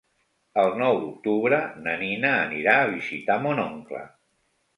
El nou d'octubre na Nina anirà a visitar mon oncle.